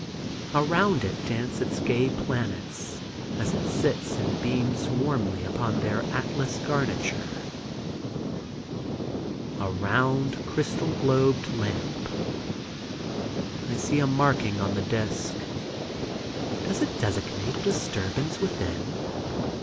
Around it dance its gay planets as it sits and beams warmly upon their atlas garniture—a round crystal globed lamp. I see a marking on the disc. Does it designate a disturbance within?